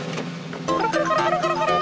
コロコロコロコロコロ！